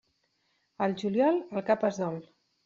Al juliol, el cap es dol.